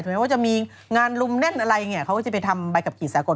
ไม่ว่าจะมีงานลุมแน่นอะไรเนี่ยเขาก็จะไปทำใบขับขี่สากล